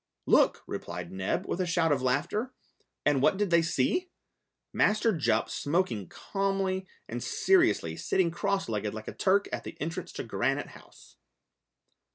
"Look," replied Neb, with a shout of laughter. And what did they see? Master Jup smoking calmly and seriously, sitting cross legged like a Turk at the entrance to Granite House!